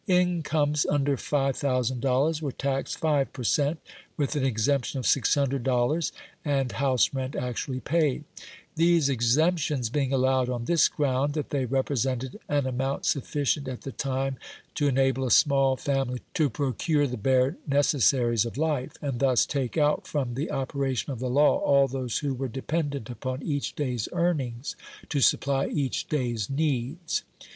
Incomes under $5,000 were taxed 5 per cent., with an exemption of $600 and house rent actually paid; these exemptions being allowed on this ground, that they represented an amount sufficient at the time to enable a small family to procure the bare necessaries of life, and thus take out from the operation of the law all those who were dependent upon each day's earnings to supply each day's needs.